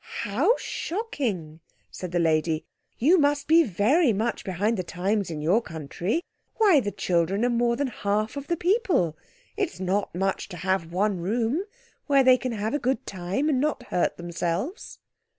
"How shocking!" said the lady; "you must be very much behind the times in your country! Why, the children are more than half of the people; it's not much to have one room where they can have a good time and not hurt themselves."